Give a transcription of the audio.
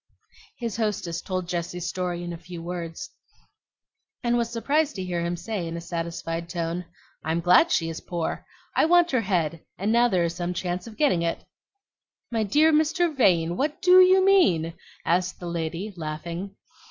His hostess told Jessie's story in a few words, and was surprised to hear him say in a satisfied tone, "I'm glad she is poor. I want her head, and now there is some chance of getting it." "My dear Mr. Vane, what DO you mean?" asked the lady, laughing.